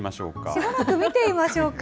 しばらく見ていましょうか？